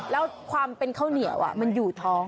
แล้วความเป็นข้าวเหนียวมันอยู่ท้อง